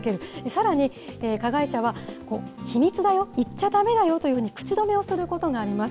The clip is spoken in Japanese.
さらに、加害者は秘密だよ、言っちゃだめだよというふうに口止めをすることがあります。